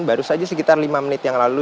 baru saja sekitar lima menit yang lalu